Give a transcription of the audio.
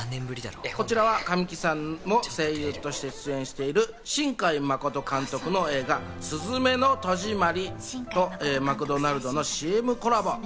こちらは神木さんも声優として出演している新海誠監督の映画『すずめの戸締まり』とマクドナルドのＣＭコラボ。